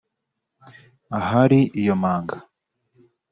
ahari iyo manga